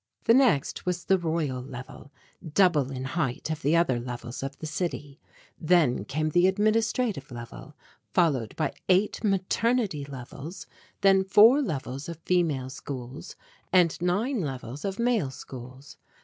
The next was the "Royal Level," double in height of the other levels of the city. Then came the "Administrative Level," followed by eight maternity levels, then four levels of female schools and nine levels of male schools.